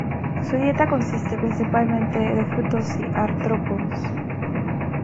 Su dieta consiste principalmente de frutos y artrópodos.